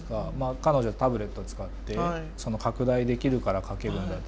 彼女はタブレットを使って拡大できるから描けるんだって。